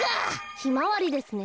ひまわりですね。